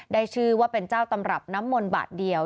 ได้ชื่อว่าเป็นเจ้าตำรับน้ำมนต์บาทเดียว